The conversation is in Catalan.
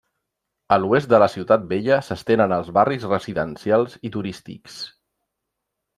A l'oest de la ciutat vella s'estenen els barris residencials i turístics.